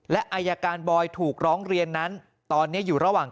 และอายการบอยถูกร้องเรียนนั้นตอนนี้อยู่ระหว่าง